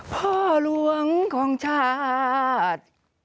พ่อหลวงของชาติ